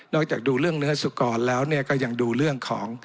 จากดูเรื่องเนื้อสุกรแล้วก็ยังดูเรื่องของ